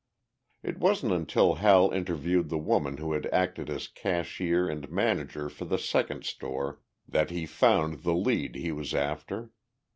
It wasn't until Hal interviewed the woman who had acted as cashier and manager for the second store that he found the lead he was after.